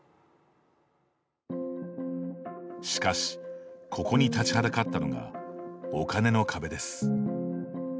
しかしここに立ちはだかったのがお金の壁です。